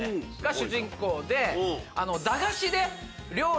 主人公で。